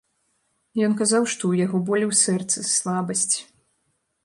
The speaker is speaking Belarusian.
Ён казаў, што ў яго болі ў сэрцы, слабасць.